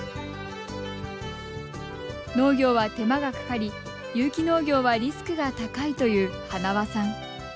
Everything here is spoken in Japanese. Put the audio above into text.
農業は手間がかかり、有機農業はリスクが高いという塙さん。